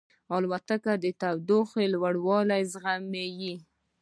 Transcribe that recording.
الوتکه د تودوخې لوړوالی زغمي.